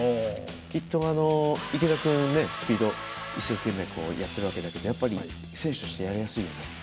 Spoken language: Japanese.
きっと池田君、スピード一生懸命やってるわけだけどやっぱり、選手としてやりやすいよね？